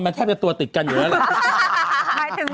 มันแทบจะตัวติดกันอยู่แล้วล่ะ